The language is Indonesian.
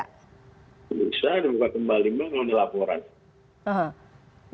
bisa dibuka kembali memang kalau dilaporan